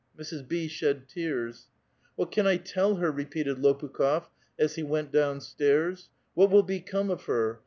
Mrs. B. shed tears. *' What can I tell her?" repeated Lopukh6f, as he went down stairs. " What will become of her?